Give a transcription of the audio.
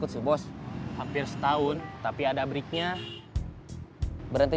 karena bekas pembunuhnya gue moren lah